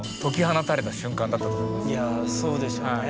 いやそうでしょうね。